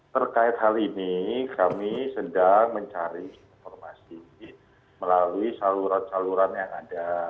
terkait hal ini kami sedang mencari informasi melalui saluran saluran yang ada